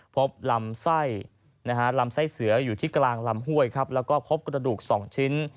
พบลำไส้ลำไส้เสืออยู่ที่กลางลำห้วยครับแล้วก็พบกระดูก๒ชิ้น